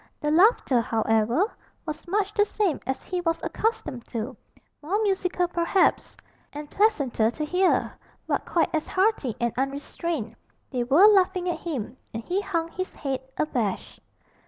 The laughter, however, was much the same as he was accustomed to, more musical perhaps, and pleasanter to hear, but quite as hearty and unrestrained they were laughing at him, and he hung his head abashed.